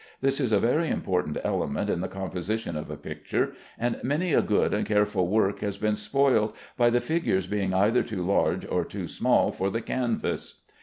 This is a very important element in the composition of a picture, and many a good and careful work has been spoiled by the figures being either too large or too small for the canvas.